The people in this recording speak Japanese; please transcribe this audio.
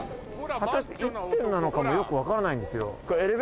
果たして１店なのかもよく分からないんですよ